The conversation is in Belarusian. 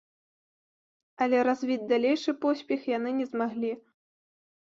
Але развіць далейшы поспех яны не змаглі.